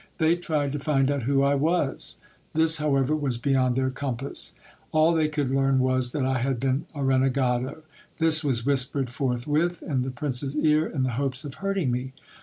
They tried to find out who I was. This, however, was beyond their compass. All they could learn was, that I had been a renegado. This was whispered forthwith in the prince's ear, in the hopes of hurting me.